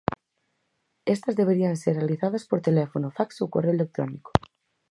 Estas deberían ser realizadas por teléfono, fax ou correo electrónico.